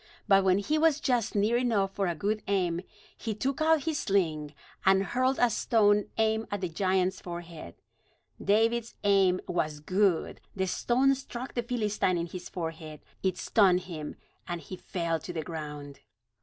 But when he was just near enough for a good aim, he took out his sling, and hurled a stone aimed at the giant's forehead. David's aim was good; the stone struck the Philistine in his forehead. It stunned him, and he fell to the ground.